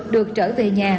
được trở về nhà